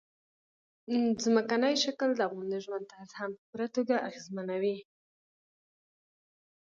ځمکنی شکل د افغانانو د ژوند طرز هم په پوره توګه اغېزمنوي.